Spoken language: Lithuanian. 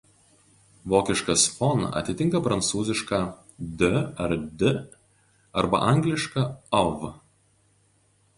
Vokiškas "von" atitinka prancūziška "de" ar "d" arba anglišką "of".